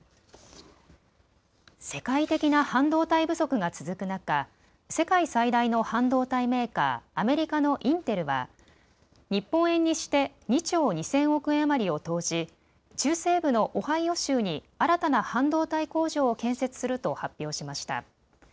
世界的な半導体不足が続く中、世界最大の半導体メーカー、アメリカのインテルは日本円にして２兆２０００億円余りを投じ、中西部のオハイオ州に新たな半導体工場を建設すると発表しました。